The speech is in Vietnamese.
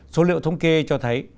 số liệu thống kê cho thấy